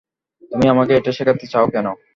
তুমি আমাকে এটা শেখাতে চাও কেন?